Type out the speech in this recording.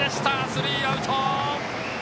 スリーアウト。